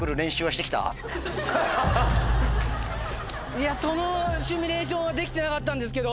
いやそのシミュレーションはできてなかったんですけど。